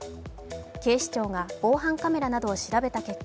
警視庁が防犯カメラなどを調べた結果